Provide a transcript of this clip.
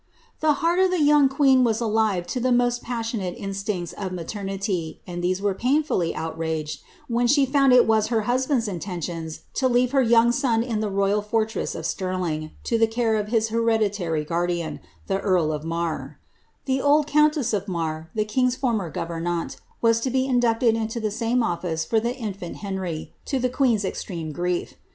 ANNE or D E N .M A R K . 273 The heart of the young queen was alive to the most passionate in ^lincts of maternity, and these were painfully outraged when she found it WB8 her husband's intentions to leave her young son in the royal for tress of Stirling, to the care of his hereditary guardian, the earl of Marr/ The old countess of Marr, the king^s former gourernante, was to be in ducted into the same office for the infant Henry, to the queen's extreme grief.